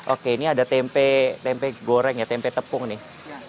oke ini ada tempe tempe goreng ya tempe tepung nih